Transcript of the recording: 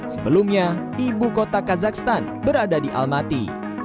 sebelumnya ibu kota kazakhstan berada di almaty